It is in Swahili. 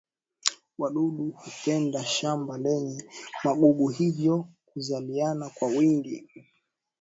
wadudu hupenda shamba lenye magugu hivyo huzaliana kwa wingi